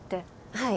はい。